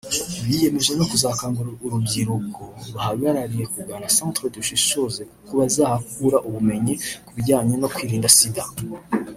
Biyemeje no kuzakangurira urubyiruko bahagarariye kugana centre Dushishoze kuko bazahakura ubumenyi ku bijyanye no kwirinda Sida